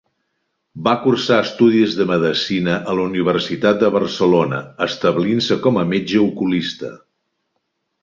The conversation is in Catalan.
Va cursar estudis de medicina a la Universitat de Barcelona, establint-se com a metge oculista.